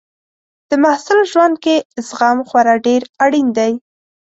د محصل ژوند کې زغم خورا ډېر اړین دی.